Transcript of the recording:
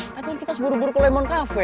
tapi kita seburuh buruh ke lemon cafe